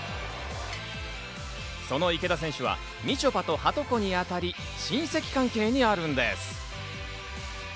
その池田選手は、みちょぱとはとこにあたり、親戚関係にあるんです。